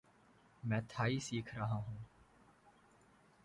मैं थाई सीख रहा हूं।